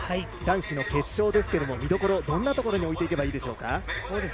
男子の決勝ですが見どころ、どんなところに置いていけばいいでしょうか。